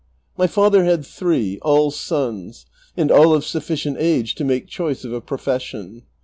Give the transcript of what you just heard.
My father had three, all sons, and all of sufficient age to make choice of a profession.